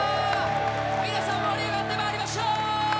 皆さんも盛り上がってまいりましょう。